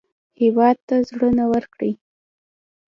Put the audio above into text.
هېواد ته زړونه ورکړئ